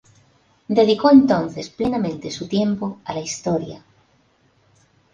Dedicó entonces plenamente su tiempo a la historia.